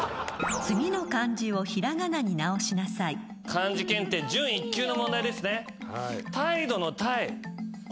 漢字検定準１級の問題ですね。